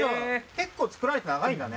結構作られて長いんだね。